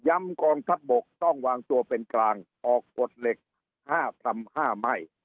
ยำกองทัพบกต้องวางตัวเป็นกลางออกกดเหล็ก๕๕ไม่